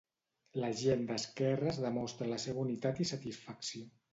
La gent d'esquerres demostra la seva unitat i satisfacció.